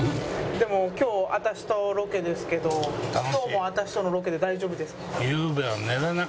でも今日私とロケですけど今日も私とのロケで大丈夫ですか？